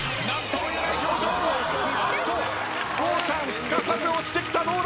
すかさず押してきたどうだ？